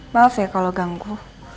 maaf ya kalau ganggu